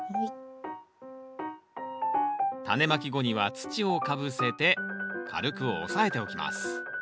タネまき後には土をかぶせて軽く押さえておきます